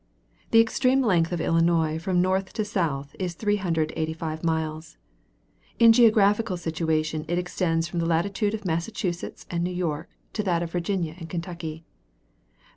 The extreme length of Illinois from north to south is 385 miles; in geographical situation it extends from the latitude of Massachusetts and New York to that of Virginia and Kentucky.